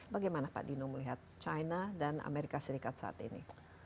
bagaimana pak dino melihat china dan amerika serikat saat ini